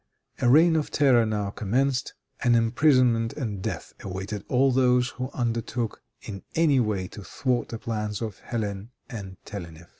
A reign of terror now commenced, and imprisonment and death awaited all those who undertook in any way to thwart the plans of Hélène and Telennef.